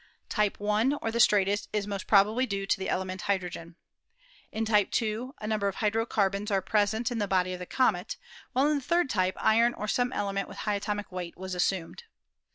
Type 1, or the straightest, is most probably due to the element hydrogen. In Type 2 a number of hydrocarbons are present in the body of the comet, while in the third type iron or some element with high atomic weight was assumed.